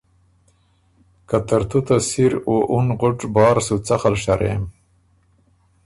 که ترتُو ته سِر او اُن غُټ بار سو څخل شرېم،